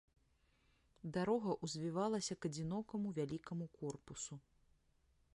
Дарога ўзвівалася к адзінокаму вялікаму корпусу.